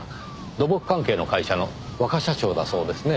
土木関係の会社の若社長だそうですね。